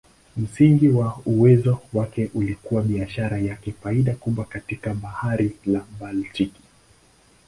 Msingi wa uwezo wake ulikuwa biashara yenye faida kubwa katika Bahari ya Baltiki.